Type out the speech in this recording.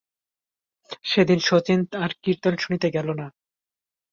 সেদিন শচীশ আর কীর্তন শুনিতে গেল না।